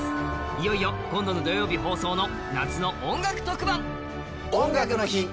いよいよ今度の土曜日放送の夏の音楽特番「音楽の日」